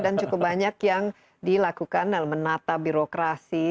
dan cukup banyak yang dilakukan dalam menata birokrasi